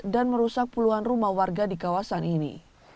dan merusak puluhan rumah warga di kawasan ini